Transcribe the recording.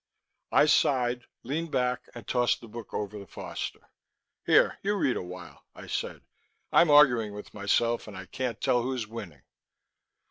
I sighed, leaned back and tossed the book over to Foster. "Here, you read a while," I said. "I'm arguing with myself and I can't tell who's winning."